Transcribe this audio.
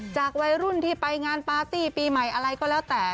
จากวัยรุ่นที่ไปงานปาร์ตี้ปีใหม่อะไรก็แล้วแต่